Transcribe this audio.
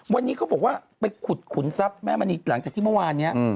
วันนี้เขาบอกว่าไปขุดขุนทรัพย์แม่มณีหลังจากที่เมื่อวานนี้